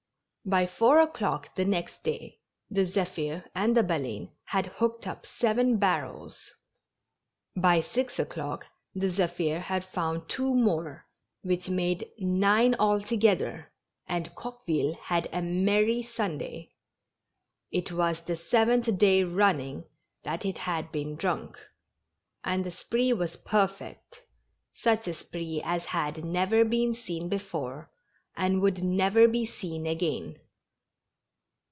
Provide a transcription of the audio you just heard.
GENERAL HAPPINESS. 233 By four o'clock tlie next day the Ze; phvi d the Baleine had booked up seven barrels; by six o'clock the Zephir had found two more, which made nine alto gether, and Coqueville had a merry Sunday. It was the seventh day running that it had been drunk. And the spree was perfect — such a spree as had never been seen before, and would never be seen again.